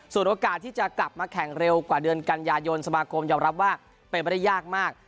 ส่วนโอกาสที่จะกลับมาแข่งเร็วกว่าเดือนกันยายนสมาคมยอมรับว่าเป็นไปได้ยากมาก